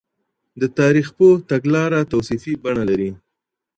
د تاريخ پوه تګلاره توصيفي بڼه لري.